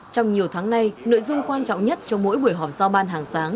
trong nhiều tháng nay nội dung quan trọng nhất cho mỗi buổi họp giao ban hàng sáng